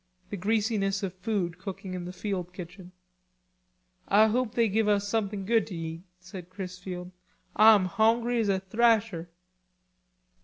the greasiness of food cooking in the field kitchen. "Ah hope they give us somethin' good to eat," said Chrisfield. "Ah'm hongry as a thrasher."